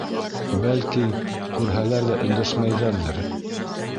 Бәлки, күрһәләр ҙә өндәшмәйҙәрҙер...